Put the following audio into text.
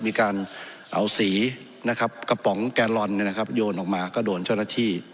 มีการเอาสีนะครับกระป๋องแกลลอนโยนออกมาก็โดนเจ้าหน้าที่